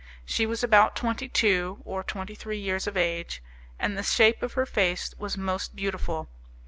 She was about twenty two or twenty three years of age, and the shape of her face was most beautiful.